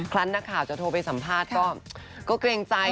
ครั้งนักข่าวจะโทรไปสัมภาษณ์ก็เกรงใจ